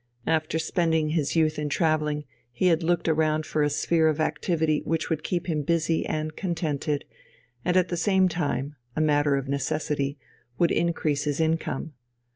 After spending his youth in travelling, he had looked around for a sphere of activity which would keep him busy and contented, and at the same time (a matter of necessity) would increase his income.